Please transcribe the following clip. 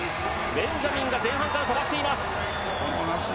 ベンジャミンが前半から飛ばしています。